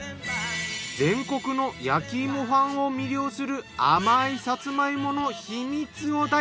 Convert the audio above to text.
全国の焼き芋ファンを魅了する甘いさつま芋の秘密を大公開。